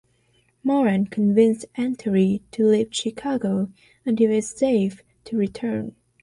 Moran convinced Alterie to leave Chicago until it was safe to return.